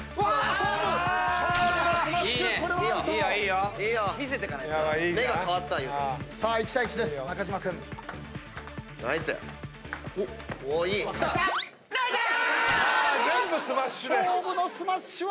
勝負のスマッシュは空振り！